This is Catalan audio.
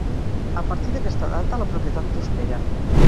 A partir d'aquesta data la propietat prospera.